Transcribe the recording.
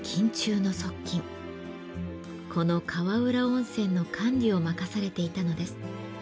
この川浦温泉の管理を任されていたのです。